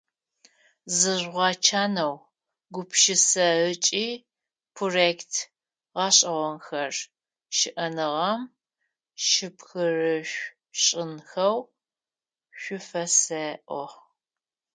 Зыжъугъэчанэу, гупшысэ ыкӏи проект гъэшӏэгъонхэр щыӏэныгъэм щыпхырышъущынхэу шъуфэсэӏо.